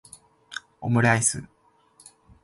オムライス